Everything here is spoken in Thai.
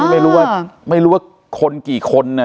ไม่รู้ว่าคนกี่คน